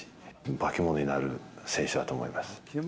化け物になる選手だと思います。